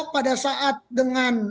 pada saat dengan